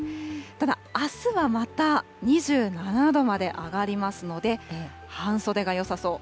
ただ、あすはまた２７度まで上がりますので、半袖がよさそう。